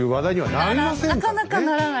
なかなかならない。